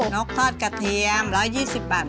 กทอดกระเทียม๑๒๐บาท